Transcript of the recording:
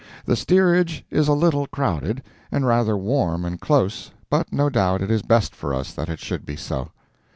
The steerage is a little crowded, and rather warm and close, but no doubt it is best for us that it should be so.